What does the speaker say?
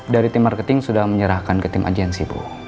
dari tim marketing sudah menyerahkan ke tim agensi bu